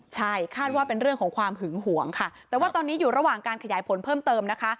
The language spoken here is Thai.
ใช่คาดว่าเป็นเรื่องของความหึงหวงค่ะแต่ว่าตอนนี้อยู่ระหว่างการขยายผลเพิ่มเติมนะคะ